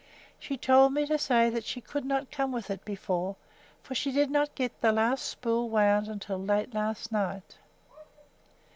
She told me to say that she could not come with it before, for she did not get the last spool wound until late last night."